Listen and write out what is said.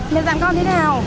mẹ dặn con thế nào